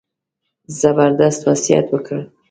زبردست وصیت وکړ.